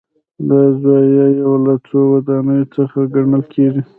دا زاویه یو له څو ودانیو څخه ګڼل کېږي.